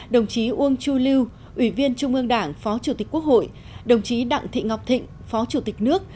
đồng chí uông chu lưu ủy viên trung ương đảng phó chủ tịch quốc hội đồng chí đặng thị ngọc thịnh phó chủ tịch nước